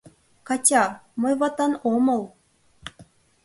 — Катя, мый ватан омыл.